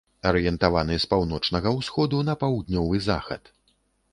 Арыентаваны з паўночнага ўсходу на паўднёвы захад.